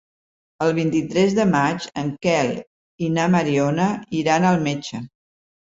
El vint-i-tres de maig en Quel i na Mariona iran al metge.